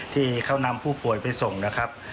ที่เขานำผู้ป่วยไปส่งนะครับ